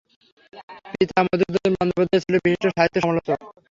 পিতা মধুসূদন বন্দ্যোপাধ্যায় ছিলেন বিশিষ্ট সাহিত্য সমালোচক।